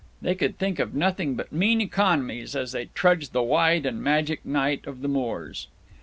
They could think of nothing but mean economies as they trudged the wide and magic night of the moors.